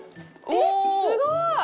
えっすごーい！